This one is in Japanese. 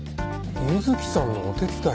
柚木さんのお手伝いを？